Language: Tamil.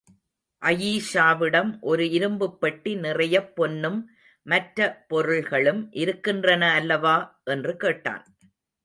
அயீஷாவிடம், ஒரு இரும்புப்பெட்டி நிறையப் பொன்னும், மற்ற பொருள்களும் இருக்கின்றன அல்லவா? என்று கேட்டான்.